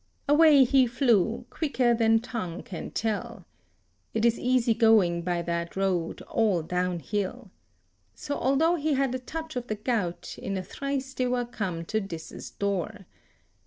Away he flew, quicker than tongue can tell. It is easy going by that road, all down hill. So although he had a touch of the gout, in a trice they were come to Dis's door.